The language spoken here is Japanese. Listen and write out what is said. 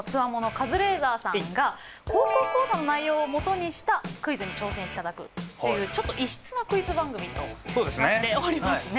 カズレーザーさんが「高校講座」の内容をもとにしたクイズに挑戦していただくっていうちょっと異質なクイズ番組となっておりますね。